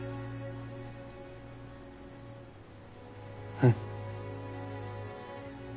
うん。